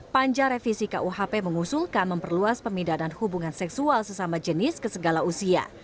panja revisi kuhp mengusulkan memperluas pemindahan hubungan seksual sesama jenis ke segala usia